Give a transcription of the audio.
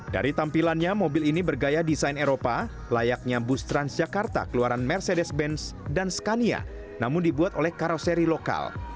dari tampilannya mobil ini bergaya desain eropa layaknya bus transjakarta keluaran mercedes benz dan scania namun dibuat oleh karoseri lokal